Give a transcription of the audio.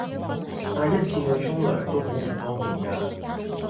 帶一次去沖涼都好唔方便㗎